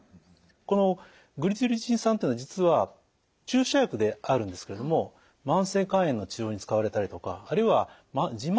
このグリチルリチン酸というのは実は注射薬であるんですけれども慢性肝炎の治療に使われたりとかあるいはじん